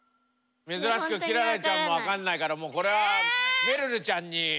珍しく輝星ちゃんもわかんないからもうこれはめるるちゃんに。